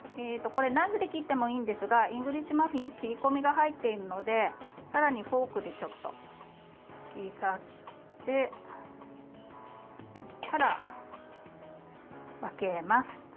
ナイフで切ってもいいんですがイングリッシュマフィン切り込みが入っているのでさらにフォークで突き刺してから分けます。